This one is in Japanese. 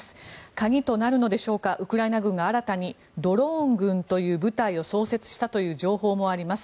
鍵となるのでしょうかウクライナ軍が新たにドローン軍という部隊を創設したという情報もあります。